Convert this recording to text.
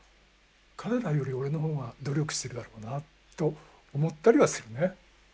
彼らより俺の方が努力してるだろうなと思ったりはするね。